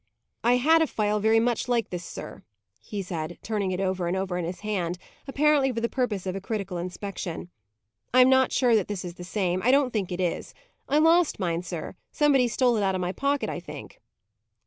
"I had a phial very much like this, sir," turning it over and over in his hand, apparently for the purpose of a critical inspection. "I am not sure that this is the same; I don't think it is. I lost mine, sir: somebody stole it out of my pocket, I think."